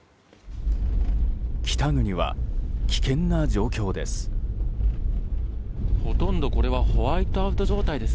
北国は、危険な状況です。